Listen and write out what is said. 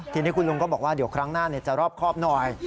ทีนี้คุณลุงก็บอกว่าเดี๋ยวครั้งหน้าจะรอบครอบหน่อย